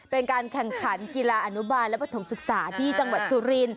เป็นการแข่งขันกีฬาอนุบาลและปฐมศึกษาที่จังหวัดสุริน